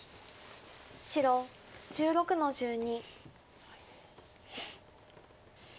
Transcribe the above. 白１６の十二。